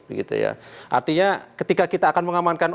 begitu ya artinya ketika kita akan mengamankan